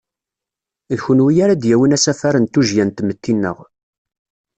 D kunwi ara d-yawin asafar n tujjya n tmetti-nneɣ.